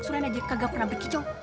sulian aja kagak pernah bekicau